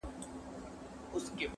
• چي د بخت ستوری مو کله و ځلېږې..